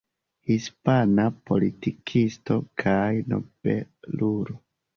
Hispana politikisto kaj nobelulo.